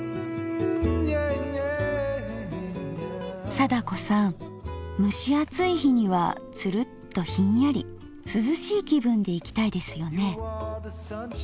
貞子さん蒸し暑い日にはツルッとひんやり涼しい気分でいきたいですよね。